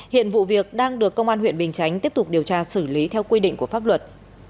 hiện vụ việc đang được công an huyện bình chánh tiếp tục điều tra xử lý theo quy định của pháp luật